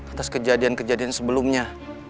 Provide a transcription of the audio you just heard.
atas kejadian kejadian sebelumnya